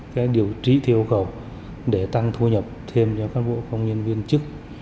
cái điều trí thiêu cầu để tăng thu nhập thêm cho các bộ công nhân viên chức